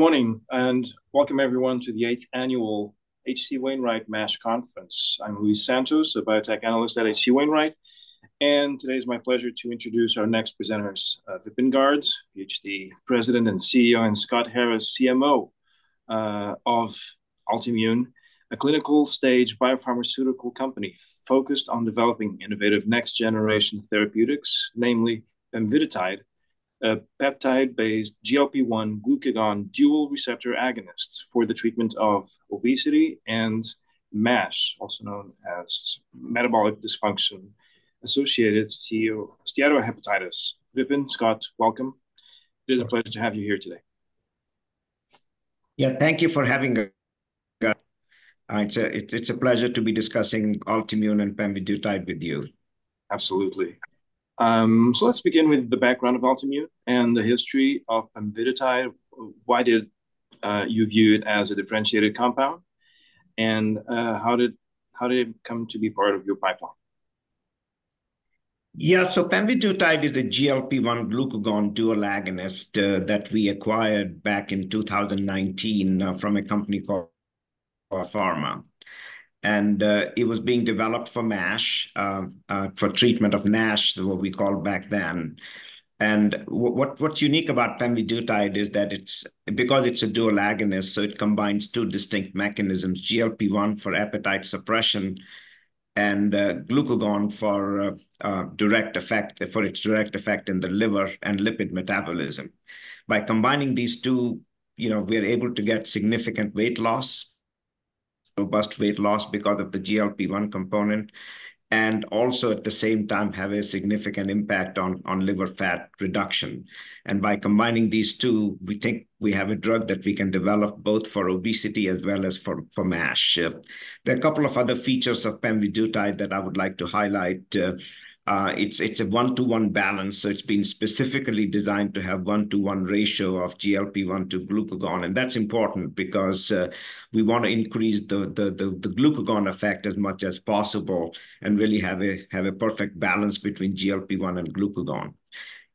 Good morning, and welcome everyone to the eighth annual HC Wainwright MASH Conference. I'm Luis Santos, a biotech analyst at HC Wainwright, and today it's my pleasure to introduce our next presenters, Vipin Garg, PhD, President and CEO; and Scott Harris, CMO, of Altimmune, a clinical-stage biopharmaceutical company focused on developing innovative next-generation therapeutics, namely pemvidutide, a peptide-based GLP-1 glucagon dual receptor agonist for the treatment of obesity and MASH, also known as metabolic dysfunction-associated steatohepatitis. Vipin, Scott, welcome. It is a pleasure to have you here today. Yeah, thank you for having us. It's a pleasure to be discussing Altimmune and pemvidutide with you. Absolutely. So let's begin with the background of Altimmune and the history of pemvidutide. Why did you view it as a differentiated compound, and how did it come to be part of your pipeline? Yeah, so pemvidutide is a GLP-1 glucagon dual agonist that we acquired back in 2019 from a company called Spitfire Pharma. And it was being developed for MASH for treatment of NASH, what we called back then. And what's unique about pemvidutide is that it's because it's a dual agonist, so it combines two distinct mechanisms, GLP-1 for appetite suppression and glucagon for direct effect, for its direct effect in the liver and lipid metabolism. By combining these two, you know, we're able to get significant weight loss, robust weight loss because of the GLP-1 component, and also at the same time have a significant impact on liver fat reduction. And by combining these two, we think we have a drug that we can develop both for obesity as well as for MASH. There are a couple of other features of pemvidutide that I would like to highlight. It's a one-to-one balance, so it's been specifically designed to have one-to-one ratio of GLP-1 to glucagon, and that's important because we want to increase the glucagon effect as much as possible and really have a perfect balance between GLP-1 and glucagon.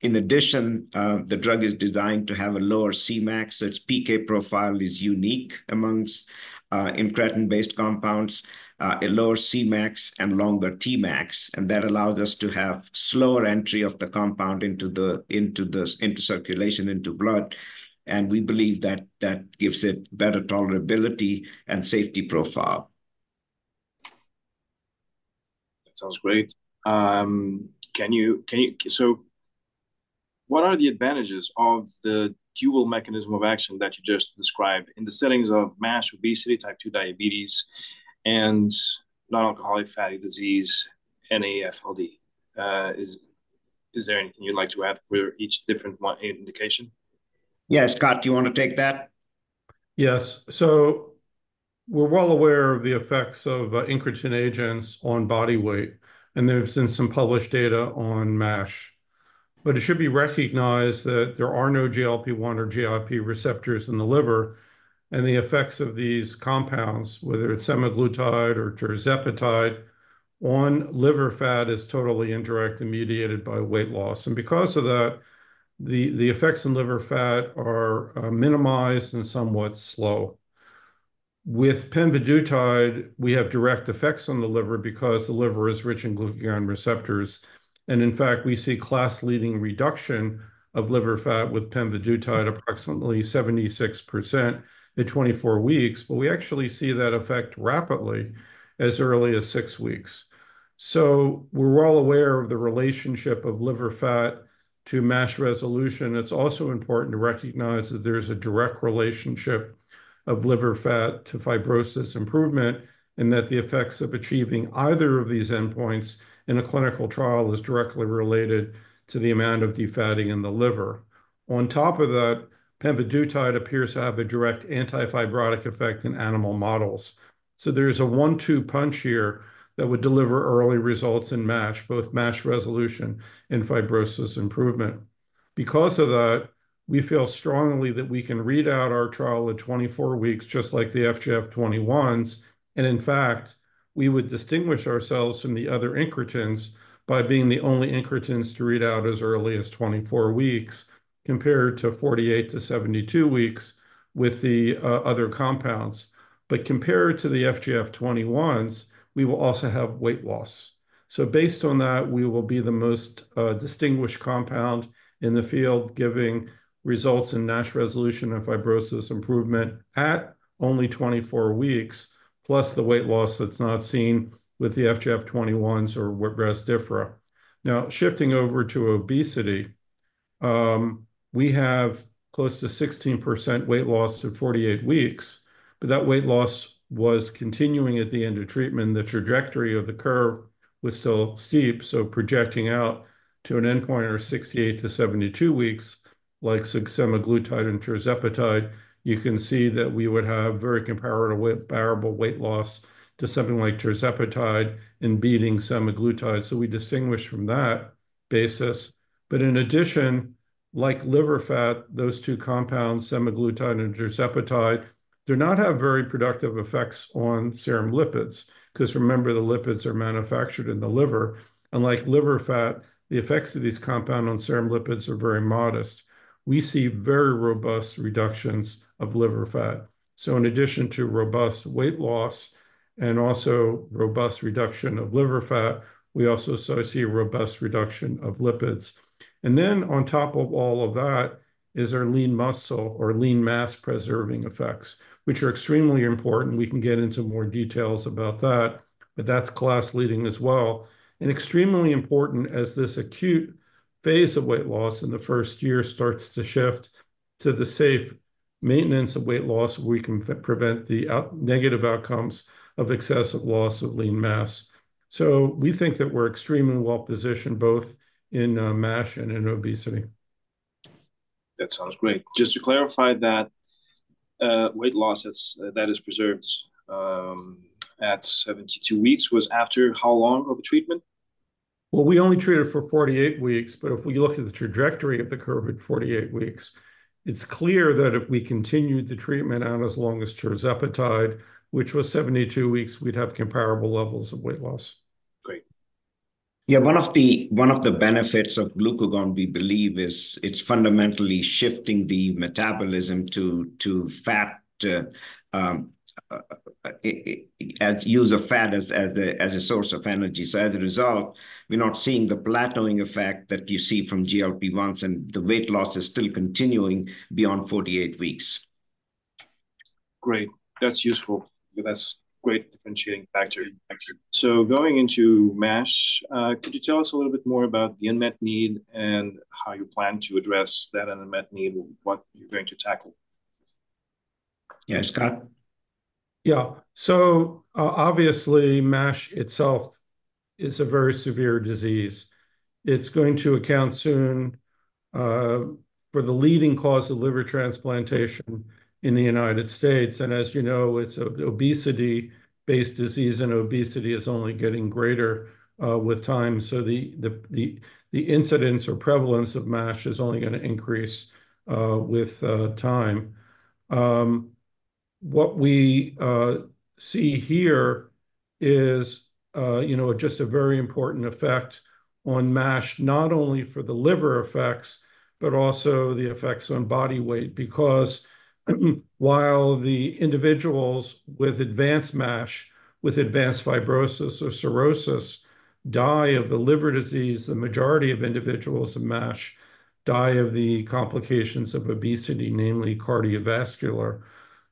In addition, the drug is designed to have a lower Cmax, so its PK profile is unique amongst incretin-based compounds, a lower Cmax and longer Tmax, and that allows us to have slower entry of the compound into circulation, into blood, and we believe that that gives it better tolerability and safety profile. That sounds great, so what are the advantages of the dual mechanism of action that you just described in the settings of MASH, obesity, type 2 diabetes, and non-alcoholic fatty disease, NAFLD? Is there anything you'd like to add for each different one, indication? Yeah, Scott, do you wanna take that? Yes. So we're well aware of the effects of incretin agents on body weight, and there's been some published data on MASH. But it should be recognized that there are no GLP-1 or GIP receptors in the liver, and the effects of these compounds, whether it's semaglutide or tirzepatide, on liver fat is totally indirect and mediated by weight loss. And because of that, the effects on liver fat are minimized and somewhat slow. With pemvidutide, we have direct effects on the liver because the liver is rich in glucagon receptors. And in fact, we see class-leading reduction of liver fat with pemvidutide, approximately 76% in 24 weeks, but we actually see that effect rapidly, as early as 6 weeks. So we're well aware of the relationship of liver fat to MASH resolution. It's also important to recognize that there's a direct relationship of liver fat to fibrosis improvement, and that the effects of achieving either of these endpoints in a clinical trial is directly related to the amount of defatting in the liver. On top of that, pemvidutide appears to have a direct anti-fibrotic effect in animal models. So there's a one-two punch here that would deliver early results in MASH, both MASH resolution and fibrosis improvement. Because of that, we feel strongly that we can read out our trial at twenty-four weeks, just like the FGF21s, and in fact, we would distinguish ourselves from the other incretins by being the only incretins to read out as early as twenty-four weeks, compared to forty-eight to seventy-two weeks with the other compounds. But compared to the FGF21s, we will also have weight loss. So based on that, we will be the most distinguished compound in the field, giving results in NASH resolution and fibrosis improvement at only 24 weeks, plus the weight loss that's not seen with the FGF21s or Rezdiffra. Now, shifting over to obesity, we have close to 16% weight loss at 48 weeks, but that weight loss was continuing at the end of treatment. The trajectory of the curve was still steep, so projecting out to an endpoint of 68-72 weeks, like semaglutide and tirzepatide, you can see that we would have very comparative weight, comparable weight loss to something like tirzepatide and beating semaglutide. So we distinguish from that basis. But in addition, like liver fat, those two compounds, semaglutide and tirzepatide, do not have very productive effects on serum lipids, 'cause remember, the lipids are manufactured in the liver. Unlike liver fat, the effects of these compounds on serum lipids are very modest. We see very robust reductions of liver fat, so in addition to robust weight loss and also robust reduction of liver fat, we also associate a robust reduction of lipids, and then on top of all of that is our lean muscle or lean mass preserving effects, which are extremely important. We can get into more details about that, but that's class-leading as well, and extremely important as this acute phase of weight loss in the first year starts to shift to the safe maintenance of weight loss. We can prevent the negative outcomes of excessive loss of lean mass, so we think that we're extremely well-positioned both in MASH and in obesity. That sounds great. Just to clarify that, weight loss, that's, that is preserved at 72 weeks was after how long of a treatment? We only treated for 48 weeks, but if we look at the trajectory of the curve at 48 weeks, it's clear that if we continued the treatment out as long as tirzepatide, which was 72 weeks, we'd have comparable levels of weight loss. Great. Yeah, one of the benefits of glucagon, we believe, is it's fundamentally shifting the metabolism to the use of fat as a source of energy. So as a result, we're not seeing the plateauing effect that you see from GLP-1s, and the weight loss is still continuing beyond 48 weeks. Great. That's useful. That's great differentiating factor. Thank you. So going into MASH, could you tell us a little bit more about the unmet need and how you plan to address that unmet need, what you're going to tackle? Yeah, Scott? Yeah. So, obviously, MASH itself is a very severe disease. It's going to account soon for the leading cause of liver transplantation in the United States. And as you know, it's an obesity-based disease, and obesity is only getting greater with time. So the incidence or prevalence of MASH is only gonna increase with time. What we see here is, you know, just a very important effect on MASH, not only for the liver effects, but also the effects on body weight. Because, while the individuals with advanced MASH, with advanced fibrosis or cirrhosis die of the liver disease, the majority of individuals of MASH die of the complications of obesity, namely cardiovascular.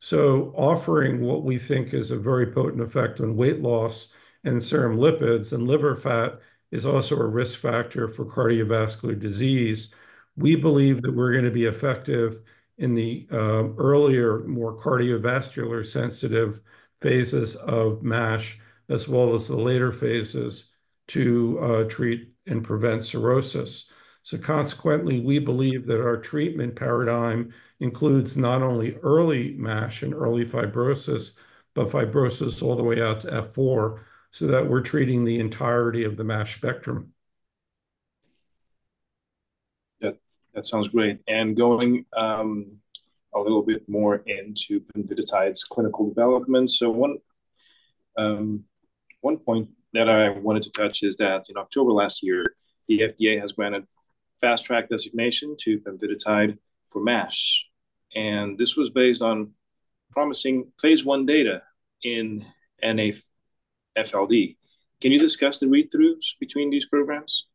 So offering what we think is a very potent effect on weight loss and serum lipids and liver fat is also a risk factor for cardiovascular disease. We believe that we're gonna be effective in the earlier, more cardiovascular-sensitive phases of MASH, as well as the later phases to treat and prevent cirrhosis. So consequently, we believe that our treatment paradigm includes not only early MASH and early fibrosis, but fibrosis all the way out to F4, so that we're treating the entirety of the MASH spectrum. Yeah, that sounds great and going a little bit more into pemvidutide's clinical development, so one point that I wanted to touch is that in October last year, the FDA has granted Fast Track designation to pemvidutide for MASH, and this was based on promising phase I data in NAFLD. Can you discuss the read-throughs between these programs?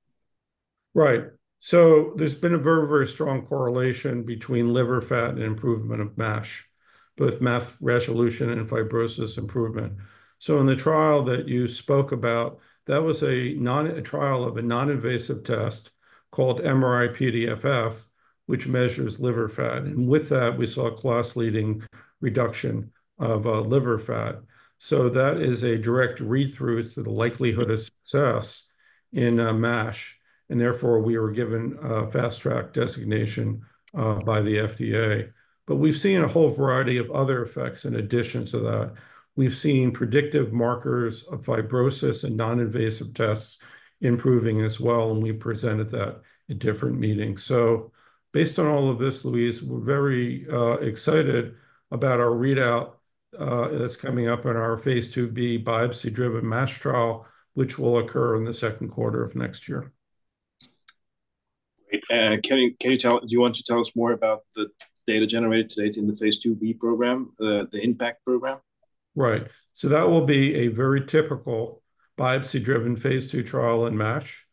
Right. So there's been a very, very strong correlation between liver fat and improvement of MASH, both MASH resolution and fibrosis improvement. So in the trial that you spoke about, that was a trial of a non-invasive test called MRI-PDFF, which measures liver fat. And with that, we saw a class-leading reduction of liver fat. So that is a direct read-through to the likelihood of success in MASH, and therefore, we were given a Fast Track designation by the FDA. But we've seen a whole variety of other effects in addition to that. We've seen predictive markers of fibrosis and non-invasive tests improving as well, and we presented that at different meetings. Based on all of this, Luis, we're very excited about our readout that's coming up in our phase IIb biopsy-driven MASH trial, which will occur in the second quarter of next year. Great. Can you tell... Do you want to tell us more about the data generated to date in the phase IIb program, the IMPACT program? Right. So that will be a very typical biopsy-driven phase II trial in MASH.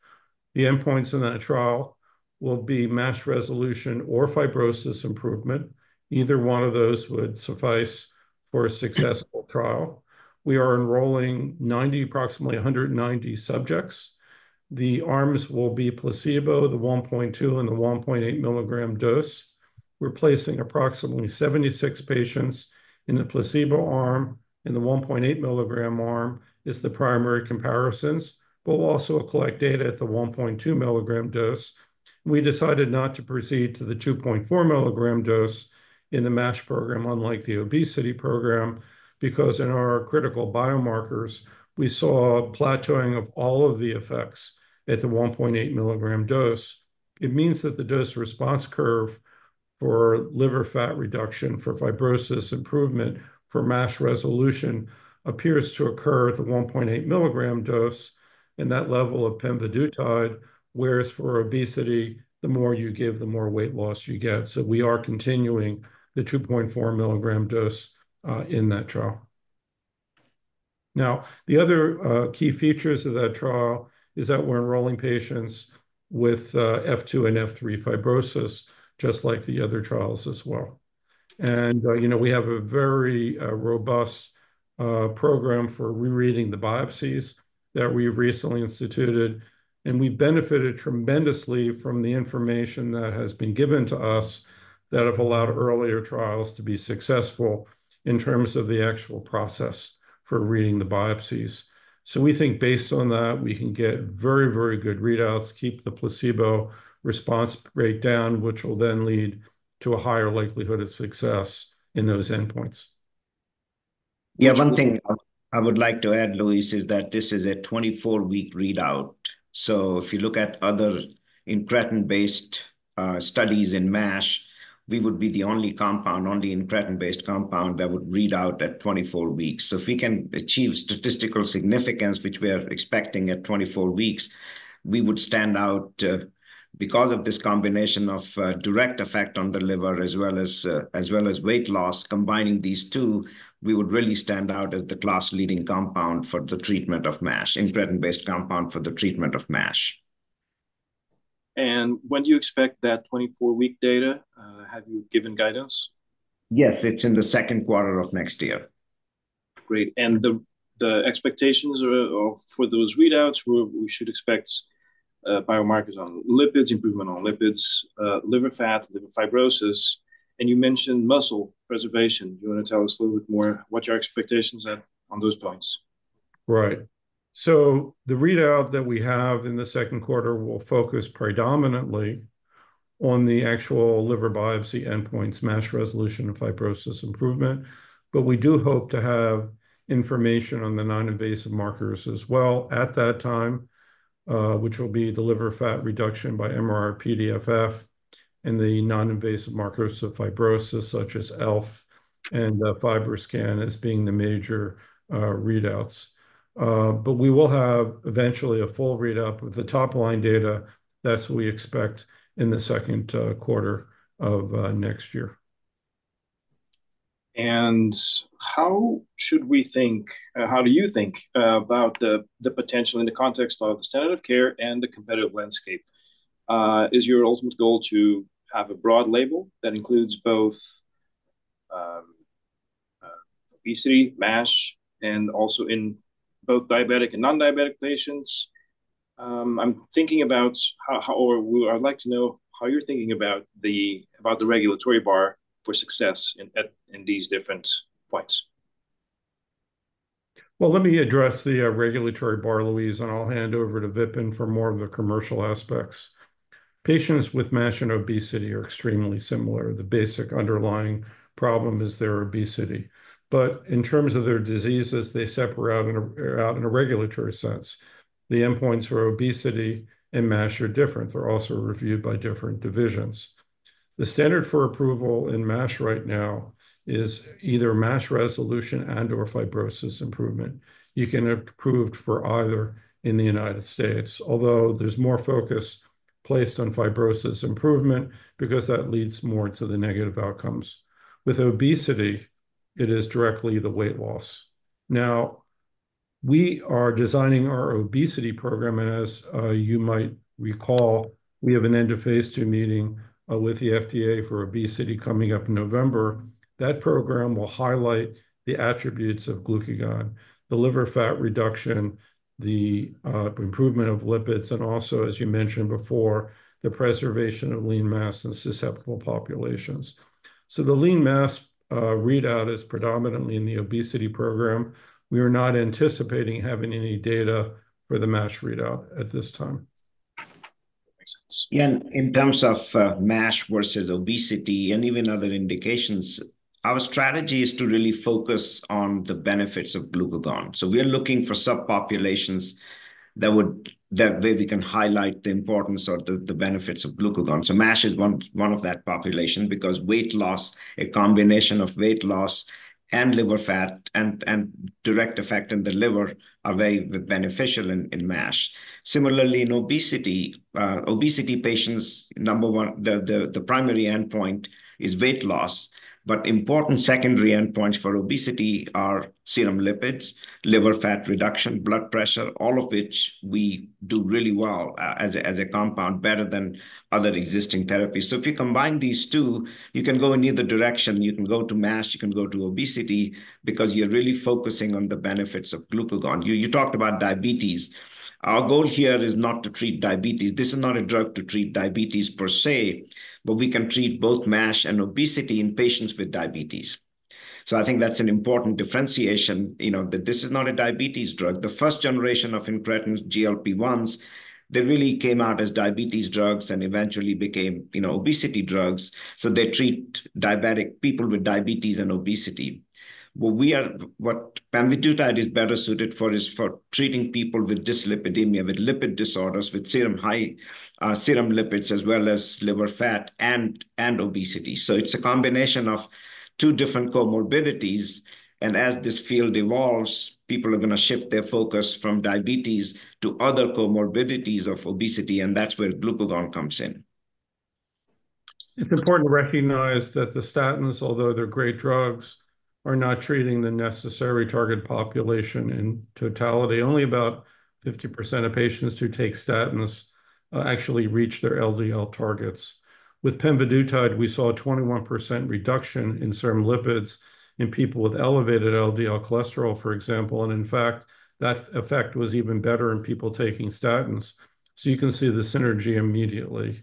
The endpoints in that trial will be MASH resolution or fibrosis improvement. Either one of those would suffice for a successful trial. We are enrolling approximately 190 subjects. The arms will be placebo, the 1.2 mg and the 1.8 mg dose. We're placing approximately 76 patients in the placebo arm, and the 1.8 mg arm is the primary comparisons. But we'll also collect data at the 1.2 mg dose. We decided not to proceed to the 2.4 mg dose in the MASH program, unlike the obesity program, because in our critical biomarkers, we saw a plateauing of all of the effects at the 1.8 mg dose. It means that the dose response curve for liver fat reduction, for fibrosis improvement, for MASH resolution appears to occur at the 1.8 mg dose and that level of pemvidutide. Whereas for obesity, the more you give, the more weight loss you get. So we are continuing the 2.4 mg dose in that trial. Now, the other key features of that trial is that we're enrolling patients with F2 and F3 fibrosis, just like the other trials as well. And you know, we have a very robust program for re-reading the biopsies that we've recently instituted, and we benefited tremendously from the information that has been given to us that have allowed earlier trials to be successful in terms of the actual process for reading the biopsies. So we think based on that, we can get very, very good readouts, keep the placebo response rate down, which will then lead to a higher likelihood of success in those endpoints. Yeah, one thing I would like to add, Luis, is that this is a twenty-four-week readout. So if you look at other incretin-based studies in MASH, we would be the only compound, only incretin-based compound that would read out at twenty-four weeks. So if we can achieve statistical significance, which we are expecting at twenty-four weeks, we would stand out because of this combination of direct effect on the liver, as well as weight loss. Combining these two, we would really stand out as the class-leading compound for the treatment of MASH, incretin-based compound for the treatment of MASH. When do you expect that twenty-four-week data? Have you given guidance? Yes, it's in the second quarter of next year. Great. And the expectations are for those readouts. We should expect biomarkers on lipids, improvement on lipids, liver fat, liver fibrosis, and you mentioned muscle preservation. Do you want to tell us a little bit more what your expectations are on those points? Right. So the readout that we have in the second quarter will focus predominantly on the actual liver biopsy endpoints, MASH resolution, and fibrosis improvement. But we do hope to have information on the non-invasive markers as well at that time, which will be the liver fat reduction by MRI-PDFF, and the non-invasive markers of fibrosis, such as ELF and FibroScan as being the major readouts. But we will have eventually a full readout with the top-line data. That's what we expect in the second quarter of next year. How do you think about the potential in the context of the standard of care and the competitive landscape? Is your ultimate goal to have a broad label that includes both obesity, MASH, and also in both diabetic and non-diabetic patients? Well, I'd like to know how you're thinking about the regulatory bar for success in these different points. Let me address the regulatory bar, Luis, and I'll hand over to Vipin for more of the commercial aspects. Patients with MASH and obesity are extremely similar. The basic underlying problem is their obesity. But in terms of their diseases, they separate out in a regulatory sense. The endpoints for obesity and MASH are different. They're also reviewed by different divisions. The standard for approval in MASH right now is either MASH resolution and/or fibrosis improvement. You can approve for either in the United States, although there's more focus placed on fibrosis improvement because that leads more to the negative outcomes. With obesity, it is directly the weight loss. Now, we are designing our obesity program, and as you might recall, we have an end of phase II meeting with the FDA for obesity coming up in November. That program will highlight the attributes of glucagon, the liver fat reduction, the improvement of lipids, and also, as you mentioned before, the preservation of lean mass in susceptible populations. So the lean mass readout is predominantly in the obesity program. We are not anticipating having any data for the MASH readout at this time. Makes sense. Yeah, in terms of MASH versus obesity and even other indications, our strategy is to really focus on the benefits of glucagon. So we are looking for subpopulations that way we can highlight the importance or the benefits of glucagon. So MASH is one of that population, because weight loss, a combination of weight loss and liver fat and direct effect on the liver are very beneficial in MASH. Similarly, in obesity patients, number one, the primary endpoint is weight loss. But important secondary endpoints for obesity are serum lipids, liver fat reduction, blood pressure, all of which we do really well as a compound, better than other existing therapies. So if you combine these two, you can go in either direction. You can go to MASH, you can go to obesity, because you're really focusing on the benefits of glucagon. You talked about diabetes. Our goal here is not to treat diabetes. This is not a drug to treat diabetes per se, but we can treat both MASH and obesity in patients with diabetes. So I think that's an important differentiation, you know, that this is not a diabetes drug. The first generation of incretins, GLP-1s, they really came out as diabetes drugs and eventually became, you know, obesity drugs, so they treat diabetic people with diabetes and obesity. What pemvidutide is better suited for is for treating people with dyslipidemia, with lipid disorders, with high serum lipids, as well as liver fat and obesity. So it's a combination of two different comorbidities, and as this field evolves, people are gonna shift their focus from diabetes to other comorbidities of obesity, and that's where glucagon comes in. It's important to recognize that the statins, although they're great drugs, are not treating the necessary target population in totality. Only about 50% of patients who take statins actually reach their LDL targets. With pemvidutide, we saw a 21% reduction in serum lipids in people with elevated LDL cholesterol, for example, and in fact, that effect was even better in people taking statins. So you can see the synergy immediately.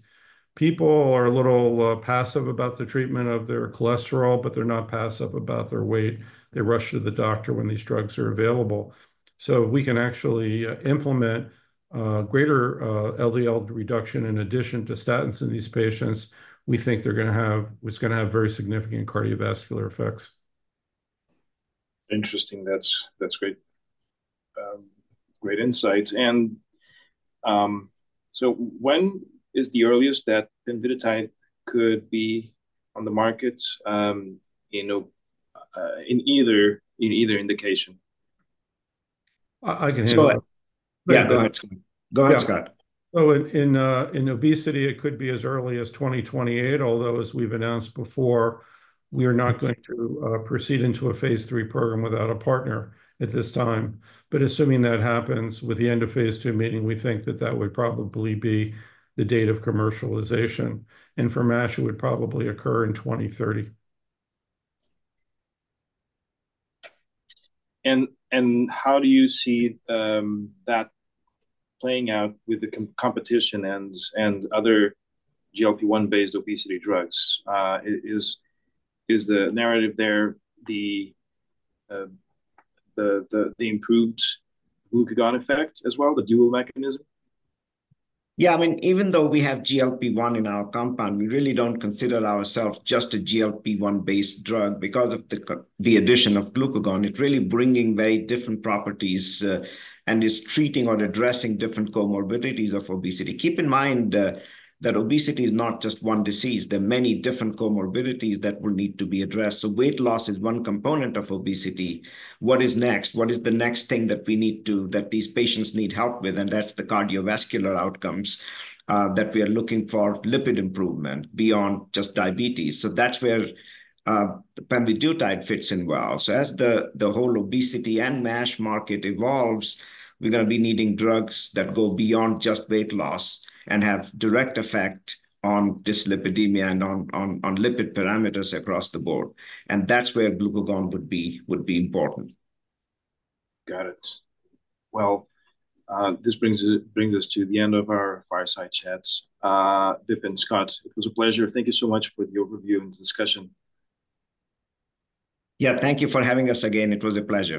People are a little passive about the treatment of their cholesterol, but they're not passive about their weight. They rush to the doctor when these drugs are available. So we can actually implement greater LDL reduction in addition to statins in these patients. We think they're gonna have- it's gonna have very significant cardiovascular effects. Interesting. That's great. Great insights. So when is the earliest that pemvidutide could be on the market in either indication? I can handle it. Go ahead. Yeah. Go ahead, Scott. So in obesity, it could be as early as 2028, although, as we've announced before, we are not going to proceed into a phase III program without a partner at this time. But assuming that happens, with the end of phase II, meaning we think that that would probably be the date of commercialization, and for MASH, it would probably occur in 2030. How do you see that playing out with the competition and other GLP-1 based obesity drugs? Is the narrative there the improved glucagon effect as well, the dual mechanism? Yeah, I mean, even though we have GLP-1 in our compound, we really don't consider ourselves just a GLP-1 based drug. Because of the addition of glucagon, it really bringing very different properties, and it's treating or addressing different comorbidities of obesity. Keep in mind that obesity is not just one disease. There are many different comorbidities that will need to be addressed, so weight loss is one component of obesity. What is next? What is the next thing that we need to... that these patients need help with? And that's the cardiovascular outcomes that we are looking for, lipid improvement beyond just diabetes. So that's where pemvidutide fits in well. So as the whole obesity and MASH market evolves, we're gonna be needing drugs that go beyond just weight loss and have direct effect on dyslipidemia and on lipid parameters across the board, and that's where glucagon would be important. Got it. Well, this brings us to the end of our Fireside Chats. Vipin and Scott, it was a pleasure. Thank you so much for the overview and discussion. Yeah, thank you for having us again. It was a pleasure.